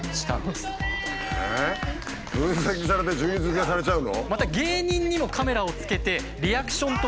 分析されて順位づけされちゃうの？